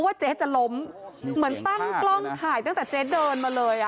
เจ๊จะล้มเหมือนตั้งกล้องถ่ายตั้งแต่เจ๊เดินมาเลยอ่ะ